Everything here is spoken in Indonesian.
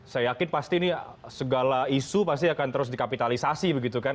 saya yakin pasti ini segala isu pasti akan terus dikapitalisasi begitu kan